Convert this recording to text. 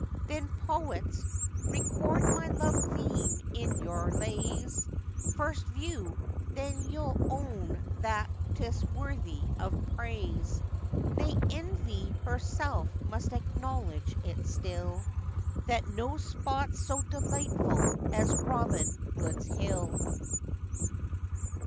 Then, poets, record my loved theme in your lays: First view;—then you'll own that 'tis worthy of praise; Nay, Envy herself must acknowledge it still, That no spot's so delightful as 'Robin Hood's Hill.